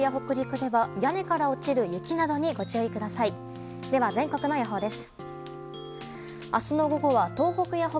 では全国の予報です。